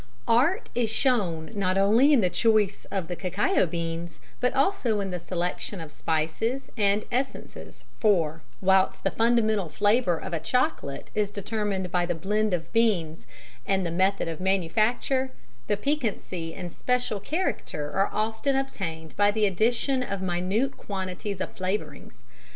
_ Art is shown not only in the choice of the cacao beans but also in the selection of spices and essences, for, whilst the fundamental flavour of a chocolate is determined by the blend of beans and the method of manufacture, the piquancy and special character are often obtained by the addition of minute quantities of flavourings.